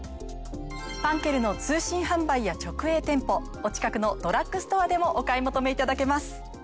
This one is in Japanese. ファンケルの通信販売や直営店舗お近くのドラッグストアでもお買い求めいただけます。